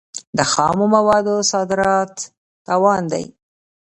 د خامو موادو صادرات تاوان دی.